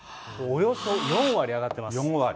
およそ４割上がってます。